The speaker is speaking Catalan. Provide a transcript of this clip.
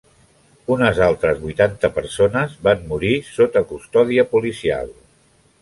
Unes altres vuitanta persones van morir sota custòdia policial.